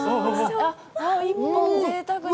あっ、１本、ぜいたくに。